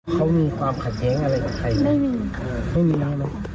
เค้ามีความขัดแยงอะไรกับใครอะไม่มีอ่าไม่มีอะไรนะ